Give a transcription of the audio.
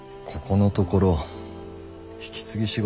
ここのところ引き継ぎ